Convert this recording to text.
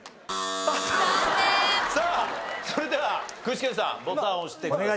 さあそれでは具志堅さんボタンを押してください。